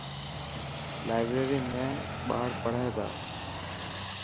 لائبريري ۾ ٻاڙ پڙهي تا.